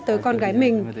tới con gái mình